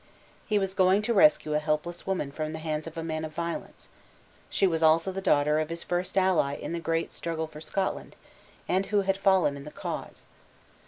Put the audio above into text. He was going to rescue a helpless woman from the hands of a man of violence; she was also the daughter of his first ally in the great struggle for Scotland, and who had fallen in the cause.